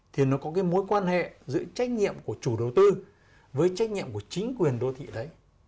thì nó có cái mối quan hệ giữa trách nhiệm của chủ đầu tư với trách nhiệm của chính quyền đô thị đấy